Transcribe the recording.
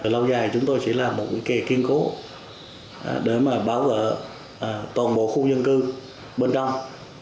lâu dài chúng tôi sẽ làm một kề kiên cố để mà bảo vệ toàn bộ khu dân cư bên trong